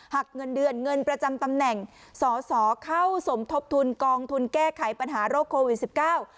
เงินเดือนเงินประจำตำแหน่งสอสอเข้าสมทบทุนกองทุนแก้ไขปัญหาโรคโควิดสิบเก้า